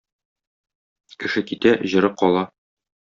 Кеше китә - җыры кала.